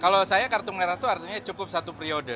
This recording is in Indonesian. kalau saya kartu merah itu artinya cukup satu periode